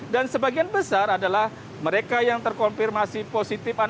dan sebagian besar adalah mereka yang terkonfirmasi positif